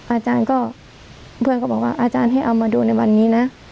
อาจารย์ก็เพื่อนก็บอกว่าอาจารย์ให้เอามาดูในวันนี้นะ